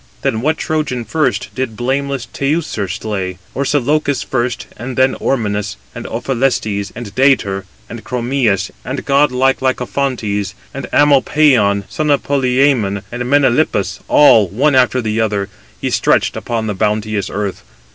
Then what Trojan first did blameless Teucer slay? Orsilochus first, and Ormenus, and Ophelestes, and Dætor, and Chromius, and godlike Lycophontes, and Amopaon, son of Polyæmon, and Melanippus—all, one after the other, he stretched upon the bounteous earth.